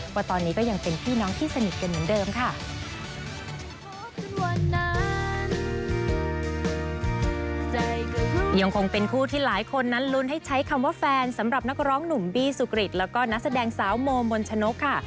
ว่าตอนนี้ก็ยังเป็นพี่น้องที่สนิทกันเหมือนเดิมค่ะ